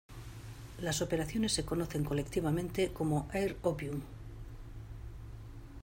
Las operaciones se conocen colectivamente como "Air Opium".